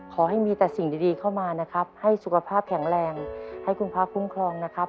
ขอให้มีแต่สิ่งดีเข้ามานะครับให้สุขภาพแข็งแรงให้คุณพระคุ้มครองนะครับ